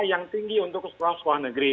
yang tinggi untuk sekolah sekolah negeri